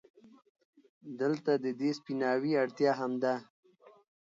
دلته د دې سپيناوي اړتيا هم ده،